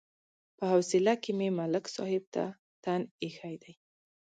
په حوصله کې مې ملک صاحب ته تن ایښی دی.